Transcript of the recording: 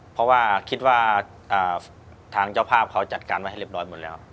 เพราะว่าคิดว่าทางเจ้าภาพเขาจัดการไว้ให้เรียบร้อยหมดแล้ว